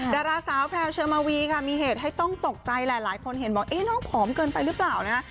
ดาราสาวแพลวเชอร์มาวีค่ะมีเหตุให้ต้องตกใจหลายคนเห็นบอกน้องผอมเกินไปหรือเปล่านะ